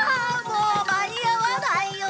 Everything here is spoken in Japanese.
もう間に合わないよ！